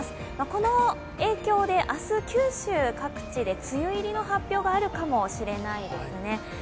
この影響で明日、九州各地で梅雨入りの発表があるかもしれないですね。